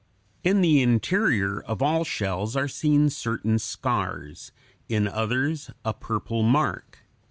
] In the interior of all shells are seen certain scars; in others a purple mark.